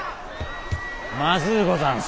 まずうござんす！